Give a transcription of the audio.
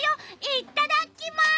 いっただきます！